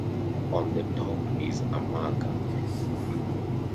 On the top is a marker.